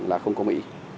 là không có mỹ